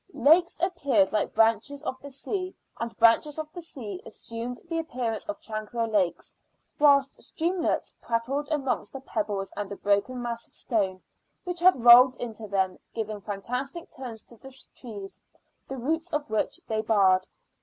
Lakes appeared like branches of the sea, and branches of the sea assumed the appearance of tranquil lakes; whilst streamlets prattled amongst the pebbles and the broken mass of stone which had rolled into them, giving fantastic turns to the trees, the roots of which they bared.